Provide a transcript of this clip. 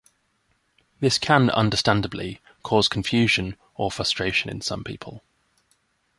This can, understandably, cause confusion or frustration in some people.